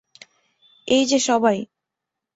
এই যে সবাই!